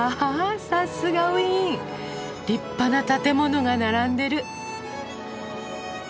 さすがウィーン立派な建物が並んでる。